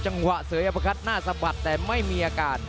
จังหวะเสยอภัทหน้าสะบัดแต่ไม่มีอาการ